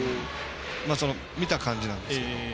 見た感じなんですけど。